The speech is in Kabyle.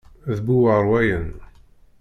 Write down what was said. D bu warwayen.